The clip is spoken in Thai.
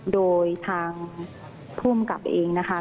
โดยทางภูมิกับเองนะคะ